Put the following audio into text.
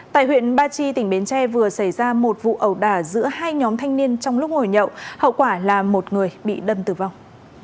tại huyện ba chi tỉnh bến tre vừa xảy ra một vụ ẩu đả giữa hai nhóm thanh niên trong lúc ngồi nhậu hậu quả là một người bị đâm tử vong